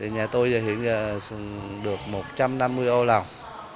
nhà tôi hiện được một trăm năm mươi ô lòng